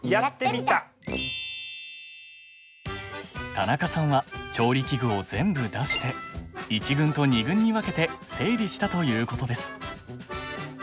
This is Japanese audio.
田中さんは調理器具を全部出して１軍と２軍に分けて整理したということです。